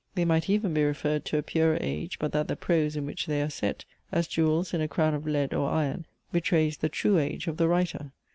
They might even be referred to a purer age, but that the prose, in which they are set, as jewels in a crown of lead or iron, betrays the true age of the writer.